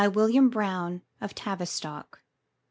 William Browne, of Tavistock.